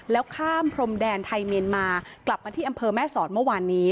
แล้วข้ามพรมแดนไทยเมียนมากลับมาที่อำเภอแม่สอดเมื่อวานนี้